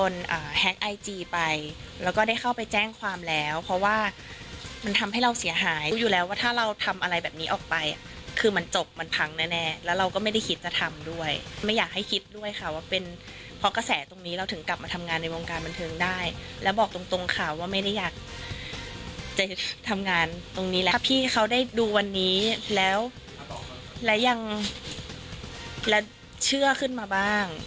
แล้วก็ได้เข้าไปแจ้งความแล้วเพราะว่ามันทำให้เราเสียหายอยู่แล้วว่าถ้าเราทำอะไรแบบนี้ออกไปคือมันจบมันพังแน่แล้วเราก็ไม่ได้คิดจะทำด้วยไม่อยากให้คิดด้วยค่ะว่าเป็นเพราะกระแสตรงนี้เราถึงกลับมาทำงานในวงการบรรเทิงได้แล้วบอกตรงค่ะว่าไม่ได้อยากจะทำงานตรงนี้แล้วพี่เขาได้ดูวันนี้แล้วและยังและเชื่อขึ้นมา